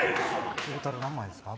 トータル何枚ですか？